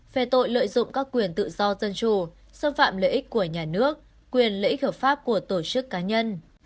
về tội lợi dụng các quyền tự do dân chủ xâm phạm lợi ích của nhà nước quyền lợi ích hợp pháp của tổ chức cá nhân